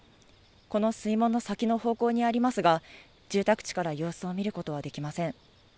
この水門の先の方向にありますが、住宅地から様子を見ることはできません。